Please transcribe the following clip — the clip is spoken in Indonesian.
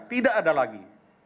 tidak ada lagi